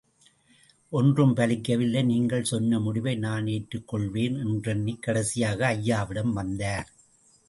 ஒன்றும் பலிக்க வில்லை, நீங்கள் சொன்ன முடிவை நான் ஏற்றுக் கொள்வேன் என்றெண்ணி கடைசியாக ஐயாவிடம் வந்தார்.